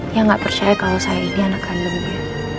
ya nggak percaya kalau saya ini anak kandungnya